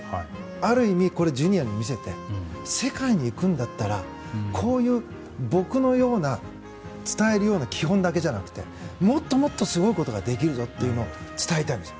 ある意味これをジュニアに見せて世界に行くんだったらこういう僕のような伝えるような基本だけじゃなくてもっともっとすごいことができるぞと伝えたいんです。